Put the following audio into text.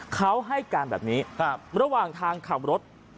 เขาให้การแบบนี้ระหว่างทางขับรถ